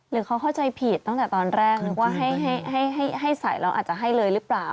หรือเขาเข้าใจผิดตั้งแต่ตอนแรกนึกว่าให้ใส่แล้วอาจจะให้เลยหรือเปล่า